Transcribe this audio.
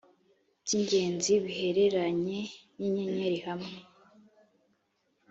by ingenzi bihereranye n inyenyeri hamwe